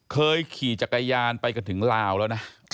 ขี่จักรยานไปกันถึงลาวแล้วนะ